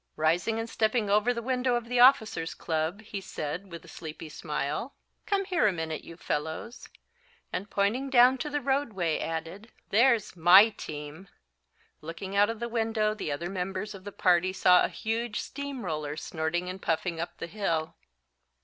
Rising and stepping over to the window of the Officers' Club, he said, with a sleepy smile: "Come here a minute, you fellows," and, pointing down to the roadway, added, "there's my team." Looking out of the window the other members of the party saw a huge steam roller snorting and puffing up the hill.